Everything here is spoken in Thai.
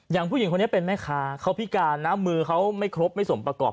ผู้หญิงคนนี้เป็นแม่ค้าเขาพิการนะมือเขาไม่ครบไม่สมประกอบ